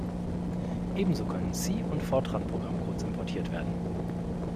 Ebenso können C- und Fortran-Programmcodes importiert werden.